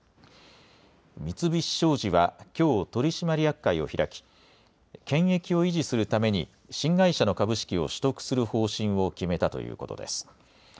三菱商事はきょう取締役会を開き、権益を維持するために新会社の株式を取得する方針を決めたということです。